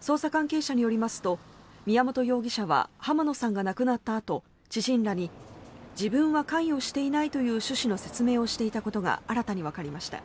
捜査関係者によりますと宮本容疑者は浜野さんが亡くなったあと知人らに、自分は関与していないという趣旨の説明をしていたことが新たにわかりました。